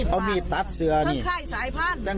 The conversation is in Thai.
เอามีดบาสเสืออันนี่ถ้าใดสายพ่าน